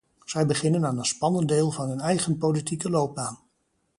Zij beginnen aan een spannend deel van hun eigen politieke loopbaan.